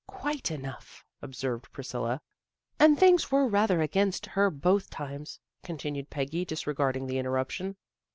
" Quite enough," observed Priscilla. " And things were rather against her both times," continued Peggy, disregarding the in terruption.